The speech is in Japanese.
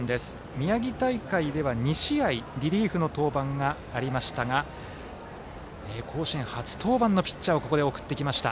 宮城大会では２試合リリーフの登板がありましたが甲子園初登板のピッチャーをここで送ってきました。